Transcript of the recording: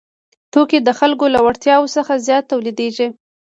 توکي د خلکو له اړتیاوو څخه زیات تولیدېږي